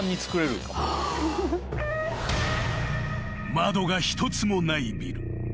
［窓が一つもないビル。